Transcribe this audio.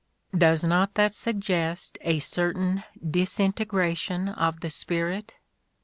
Does not that sug gest a certain disintegration of the spirit?